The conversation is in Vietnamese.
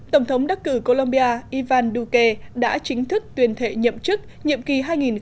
tổng thống đắc cử colombia ivan duque đã chính thức tuyên thệ nhậm chức nhiệm kỳ hai nghìn một mươi tám hai nghìn hai mươi năm